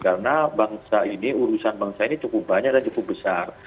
karena bangsa ini urusan bangsa ini cukup banyak dan cukup besar